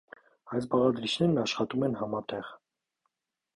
Այս բաղադրիչներն աշխատում են համատեղ։